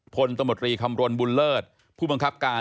ตมตรีคำรณบุญเลิศผู้บังคับการ